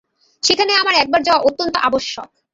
সেখানে আমার একবার যাওয়া অত্যন্ত আবশ্যক।